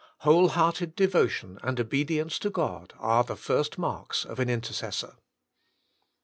Whole hearted devotion and obedience to God are the first marks of an inter cessor.